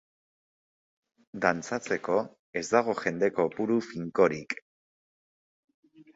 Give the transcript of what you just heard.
Dantzatzeko, ez dago jende kopuru finkorik.